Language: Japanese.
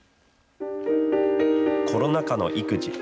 コロナ禍の育児。